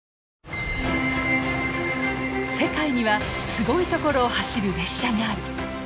世界にはすごい所を走る列車がある。